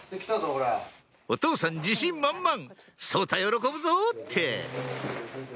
お父さん自信満々「颯太喜ぶぞ！」って